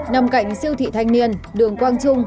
cảnh siêu thị thanh niên đường quang trung